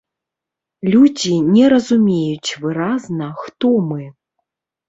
Людзі не разумеюць выразна, хто мы.